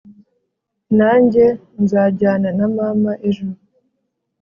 Nanjye nzajyana na mama ejo